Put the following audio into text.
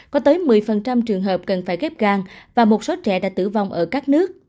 có tới một mươi trường hợp cần phải ghép gan và một số trẻ đã tử vong ở các nước